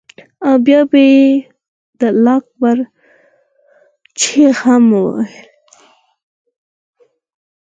او بيا به یې د الله اکبر چیغه هم وهله.